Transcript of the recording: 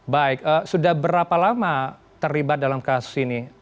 baik sudah berapa lama terlibat dalam kasus ini